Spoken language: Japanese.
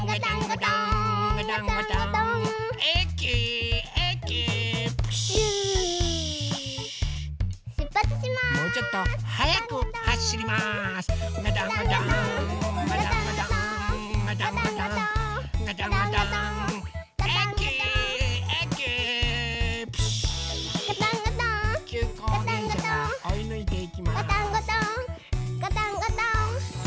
ガタンゴトーンガタンゴトーン。